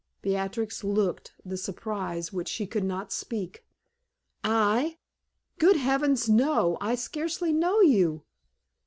Beatrix looked the surprise which she could not speak. "I? Good heavens, no! I scarcely know you."